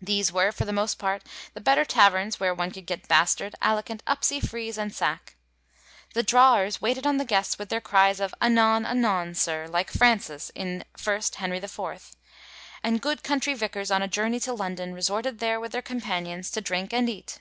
These were, for the most part, the better taverns where one could get bastard, alicant, upsy freeze and sack ; the drawers waited on the guests with their cries of *Anon, anon, sir,' like Francis in 1 Henry IV, ;^ and good country vicars on a journey to London resorted there with their companions to drink and eat.